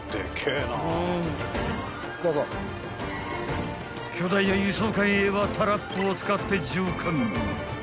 ［巨大な輸送艦へはタラップを使って乗艦］